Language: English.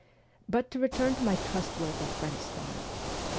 But to return to my trustworthy French spy.